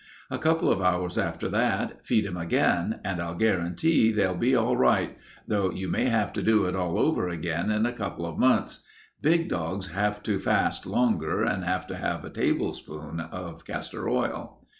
A couple of hours after that, feed 'em again, and I'll guarantee they'll be all right, though you may have to do it all over again in a couple of months. Big dogs have to fast longer and have to have a tablespoonful of castor oil."